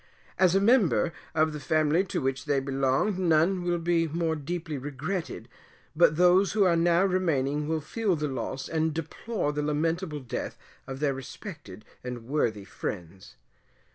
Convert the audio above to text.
As a member, of the family to which they belonged, none will be more deeply regretted, but those who are now remaining will feel the loss and deplore the lamentable death of their respected and worthy friends.